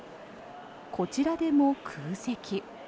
こちらでも空席。